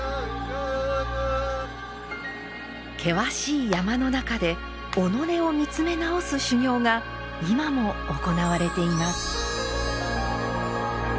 険しい山の中で己を見つめ直す修行が今も行われています。